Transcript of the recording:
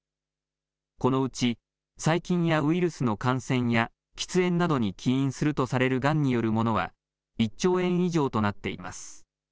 このうち細菌やウイルスの感染や喫煙などに起因するとされるがんによるものは１兆円以上となっています。